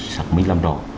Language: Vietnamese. sạc minh làm rõ